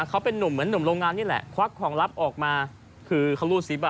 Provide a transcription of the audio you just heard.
เขาเป็นนุ่มเหมือนหนุ่มโรงงานนี่แหละควักของลับออกมาคือเขารูดซิปอ่ะ